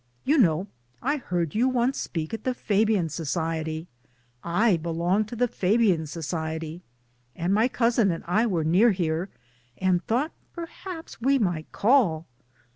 You know, I heard you once speak at the Fabian Society. I belong to the Fabian Society. And my cousin and I were near here, and thought perhaps we might call."